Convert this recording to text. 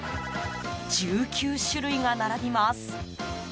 １９種類が並びます。